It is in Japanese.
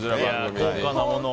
高価なものを。